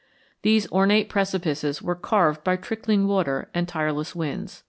These ornate precipices were carved by trickling water and tireless winds.